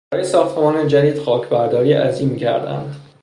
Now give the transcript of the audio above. برای ساختمان جدید خاکبرداری عظیمی کردهاند.